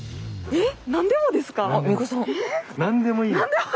えっ。